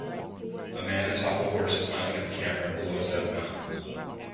A man atop a horse smiling at the camera below a set of mountains.